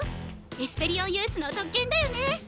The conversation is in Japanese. エスペリオンユースの特権だよね！